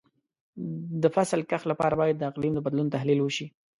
د فصل کښت لپاره باید د اقلیم د بدلون تحلیل وشي.